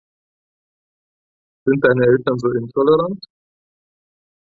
Sind deine Eltern so intolerant?